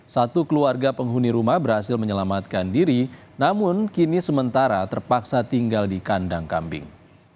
satu keluarga penghuni rumah berhasil menyelamatkan diri namun kini sementara terpaksa tinggal di kandang kambing